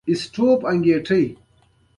ایا ستاسو ژوند به روان وي؟